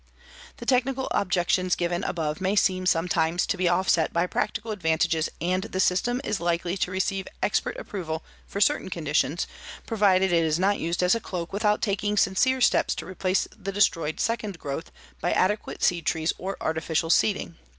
The technical objections given above may sometimes be offset by practical advantages and the system is likely to receive expert approval for certain conditions provided it is not used as a cloak without taking sincere steps to replace the destroyed second growth by adequate seed trees or artificial seeding.